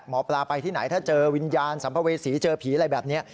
หมอปลาไปที่ไหนถ้าเจอวิญญาณสัมภเวษีเจอผีอะไรแบบนี้